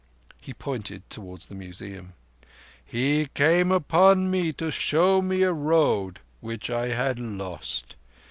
He pointed towards the Museum. "He came upon me to show me a road which I had lost.